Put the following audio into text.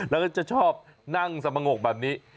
แล้วก็จะชอบนั่งสมงกแบบนี้